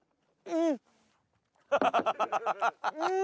うん！